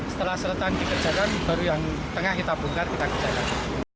setelah selatan dikerjakan baru yang tengah kita bongkar kita kerjakan